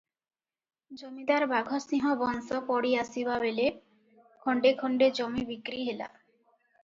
ଜମିଦାର ବାଘ ସିଂହ ବଂଶ ପଡ଼ି ଆସିବାବେଳେ ଖଣ୍ତେ ଖଣ୍ତେ ଜମି ବିକ୍ରି ହେଲା ।